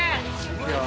いくよ。